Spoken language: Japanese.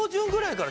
から